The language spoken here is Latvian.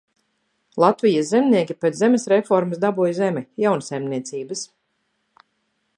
Latvijas zemnieki pēc zemes reformas dabūja zemi – jaunsaimniecības.